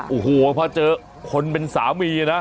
โอ้โหพอเจอคนเป็นสามีนะ